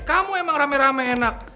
kamu emang rame rame enak